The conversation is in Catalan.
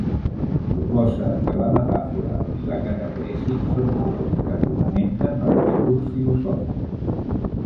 Proposa que la metàfora i la catacresi són trops que fonamenten el discurs filosòfic.